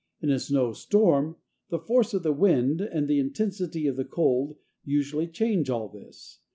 In a snow storm the force of the wind and the intensity of the cold usually change all this.